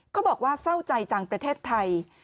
บอกว่าเศร้าใจจังประเทศไทย